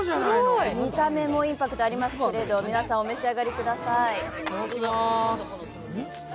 見た目もインパクトありますけれど、皆さんお召し上がりください。